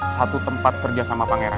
satu tempat kerja sama pangeran